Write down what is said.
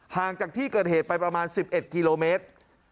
ห่างจากที่เกิดเหตุไปประมาณ๑๑กิโลเมตร